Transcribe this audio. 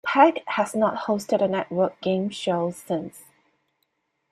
Peck has not hosted a network game show since.